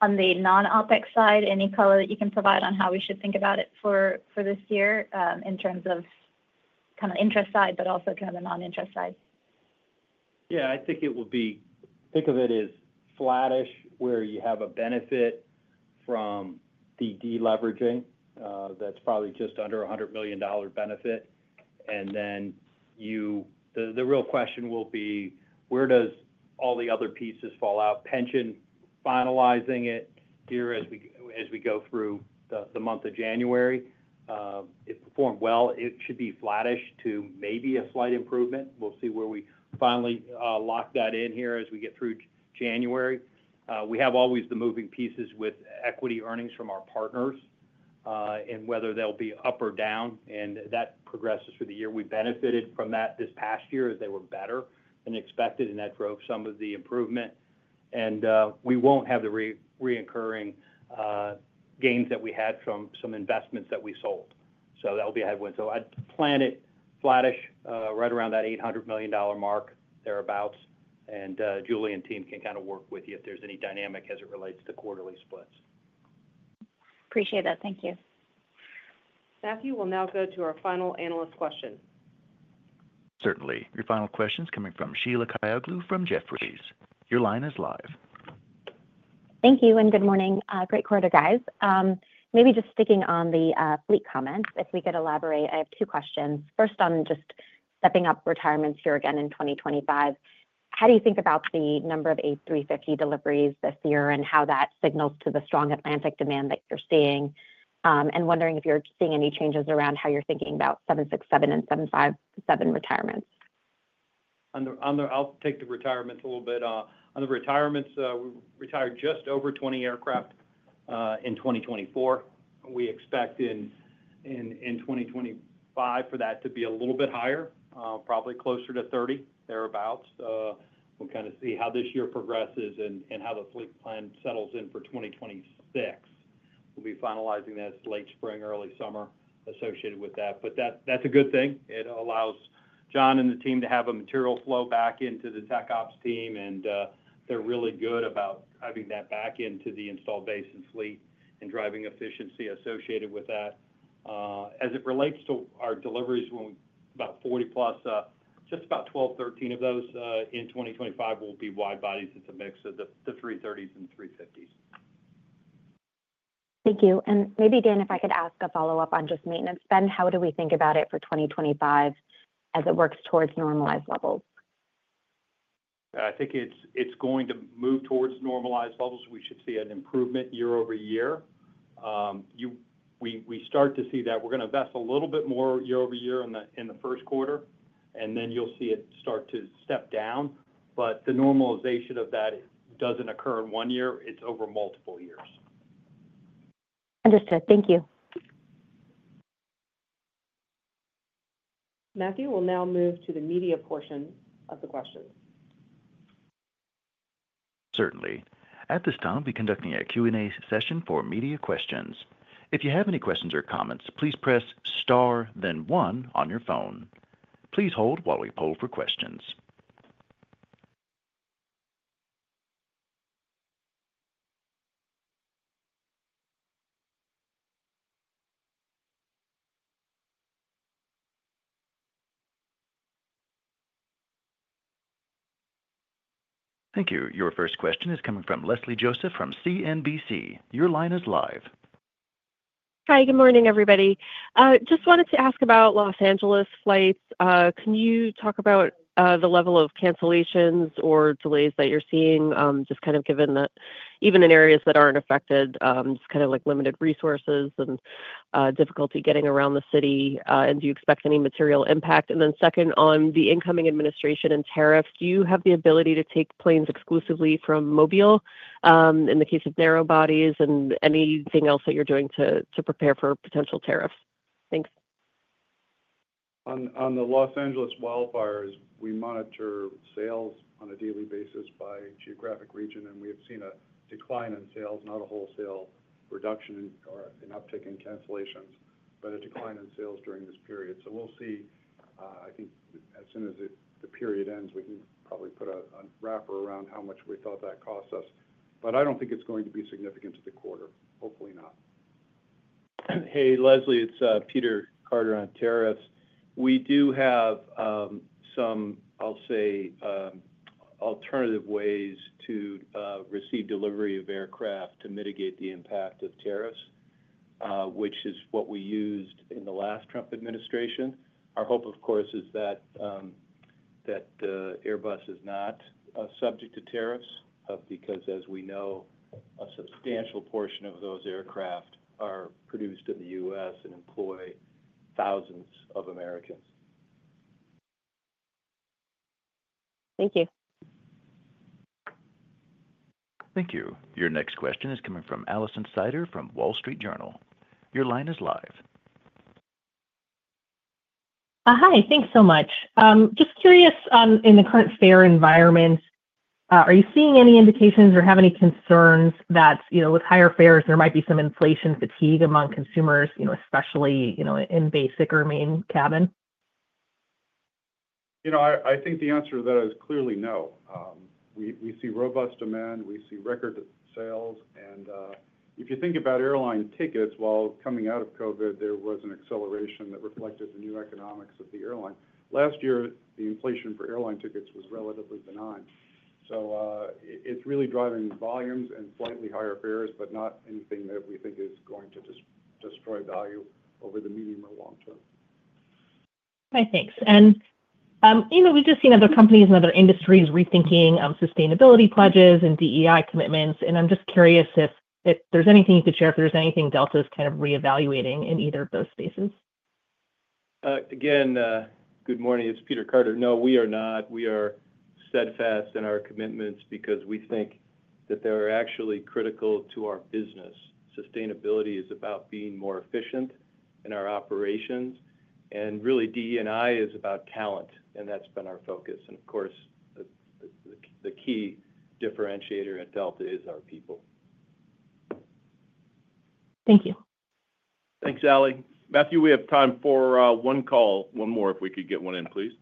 on the non-OpEx side, any color that you can provide on how we should think about it for this year in terms of kind of interest side, but also kind of the non-interest side? Yeah. I think it would be. Think of it as flattish where you have a benefit from the deleveraging that's probably just under $100 million benefit. And then the real question will be, where does all the other pieces fall out? Pension finalizing it here as we go through the month of January. It performed well. It should be flattish to maybe a slight improvement. We'll see where we finally lock that in here as we get through January. We have always the moving pieces with equity earnings from our partners and whether they'll be up or down. And that progresses through the year. We benefited from that this past year as they were better than expected, and that drove some of the improvement. And we won't have the recurring gains that we had from some investments that we sold. So that will be a headwind. I'd plan it flattish right around that $800 million mark thereabouts. Julie and team can kind of work with you if there's any dynamic as it relates to quarterly splits. Appreciate that. Thank you. Staff, you will now go to our final analyst question. Certainly. Your final question is coming from Sheila Kahyaoglu from Jefferies. Your line is live. Thank you and good morning. Great quarter, guys. Maybe just sticking on the fleet comments, if we could elaborate, I have two questions. First, on just stepping up retirements here again in 2025, how do you think about the number of A350 deliveries this year and how that signals to the strong Atlantic demand that you're seeing? And wondering if you're seeing any changes around how you're thinking about 767 and 757 retirements? On that, I'll take the retirements a little bit. On the retirements, we retired just over 20 aircraft in 2024. We expect in 2025 for that to be a little bit higher, probably closer to 30, thereabouts. We'll kind of see how this year progresses and how the fleet plan settles in for 2026. We'll be finalizing this late spring, early summer associated with that. But that's a good thing. It allows John and the team to have a material flow back into the TechOps team. And they're really good about having that back into the installed base and fleet and driving efficiency associated with that. As it relates to our deliveries, about 40+, just about 12, 13 of those in 2025 will be wide bodies. It's a mix of the 330s and 350s. Thank you. And maybe, Dan, if I could ask a follow-up on just maintenance spend, how do we think about it for 2025 as it works towards normalized levels? I think it's going to move towards normalized levels. We should see an improvement year-over-year. We start to see that we're going to invest a little bit more year-over-year in the first quarter, and then you'll see it start to step down, but the normalization of that doesn't occur in one year. It's over multiple years. Understood. Thank you. Matthew will now move to the media portion of the questions. Certainly. At this time, we're conducting a Q&A session for media questions. If you have any questions or comments, please press star, then one on your phone. Please hold while we poll for questions. Thank you. Your first question is coming from Leslie Josephs from CNBC. Your line is live. Hi, good morning, everybody. Just wanted to ask about Los Angeles flights. Can you talk about the level of cancellations or delays that you're seeing, just kind of given that even in areas that aren't affected, just kind of like limited resources and difficulty getting around the city? And do you expect any material impact? And then second, on the incoming administration and tariffs, do you have the ability to take planes exclusively from Mobile in the case of narrow bodies and anything else that you're doing to prepare for potential tariffs? Thanks. On the Los Angeles wildfires, we monitor sales on a daily basis by geographic region, and we have seen a decline in sales, not a wholesale reduction or an uptick in cancellations, but a decline in sales during this period. So we'll see. I think as soon as the period ends, we can probably put a wrapper around how much we thought that costs us. But I don't think it's going to be significant to the quarter. Hopefully not. Hey, Leslie, it's Peter Carter on tariffs. We do have some, I'll say, alternative ways to receive delivery of aircraft to mitigate the impact of tariffs, which is what we used in the last Trump administration. Our hope, of course, is that the Airbus is not subject to tariffs because, as we know, a substantial portion of those aircraft are produced in the U.S. and employ thousands of Americans. Thank you. Thank you. Your next question is coming from Alison Sider from Wall Street Journal. Your line is live. Hi. Thanks so much. Just curious, in the current fare environment, are you seeing any indications or have any concerns that with higher fares, there might be some inflation fatigue among consumers, especially in Basic or Main Cabin? I think the answer to that is clearly no. We see robust demand. We see record sales. And if you think about airline tickets, while coming out of COVID, there was an acceleration that reflected the new economics of the airline. Last year, the inflation for airline tickets was relatively benign. So it's really driving volumes and slightly higher fares, but not anything that we think is going to destroy value over the medium or long term. Hi, thanks. And we've just seen other companies and other industries rethinking sustainability pledges and DEI commitments. And I'm just curious if there's anything you could share if there's anything Delta is kind of reevaluating in either of those spaces. Again, good morning. It's Peter Carter. No, we are not. We are steadfast in our commitments because we think that they are actually critical to our business. Sustainability is about being more efficient in our operations. And really, DE&I is about talent, and that's been our focus. And of course, the key differentiator at Delta is our people. Thank you. Thanks, Allie. Matthew, we have time for one call. One more if we could get one in, please.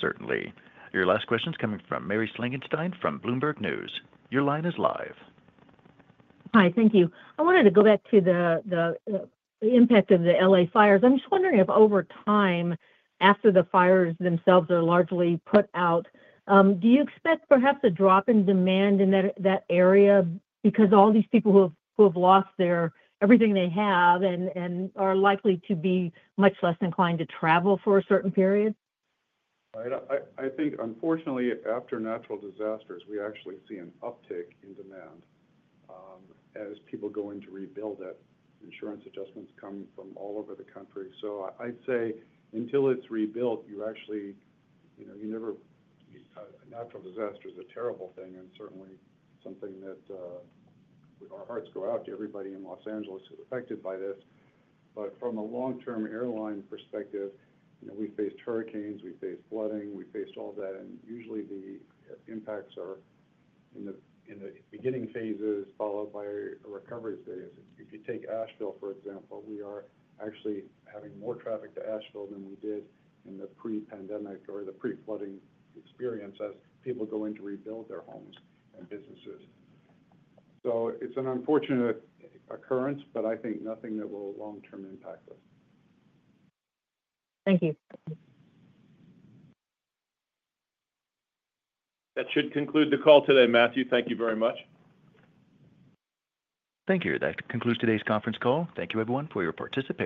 Certainly. Your last question is coming from Mary Schlangenstein from Bloomberg News. Your line is live. Hi, thank you. I wanted to go back to the impact of the LA fires. I'm just wondering if over time, after the fires themselves are largely put out, do you expect perhaps a drop in demand in that area because all these people who have lost everything they have and are likely to be much less inclined to travel for a certain period? I think, unfortunately, after natural disasters, we actually see an uptick in demand as people going to rebuild it. Insurance adjustments come from all over the country. So I'd say until it's rebuilt, you actually. Natural disaster is a terrible thing and certainly something that our hearts go out to everybody in Los Angeles who's affected by this, but from a long-term airline perspective, we faced hurricanes, we faced flooding, we faced all that, and usually, the impacts are in the beginning phases followed by a recovery phase. If you take Asheville, for example, we are actually having more traffic to Asheville than we did in the pre-pandemic or the pre-flooding experience as people going to rebuild their homes and businesses, so it's an unfortunate occurrence, but I think nothing that will long-term impact us. Thank you. That should conclude the call today. Matthew, thank you very much. Thank you. That concludes today's conference call. Thank you, everyone, for your participation.